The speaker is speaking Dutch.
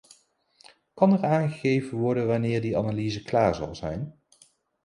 Kan er aangegeven worden wanneer die analyse klaar zal zijn?